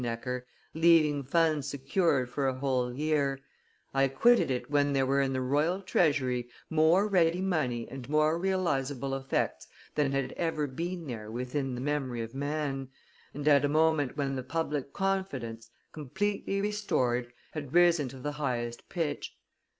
Necker, "leaving funds secured for a whole year; I quitted it when there were in the royal treasury more ready money and more realizable effects than had ever been there within the memory of man, and at a moment when the public confidence, completely restored, had risen to the highest pitch.